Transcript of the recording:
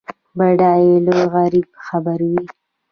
بډای له غریب خبر وي.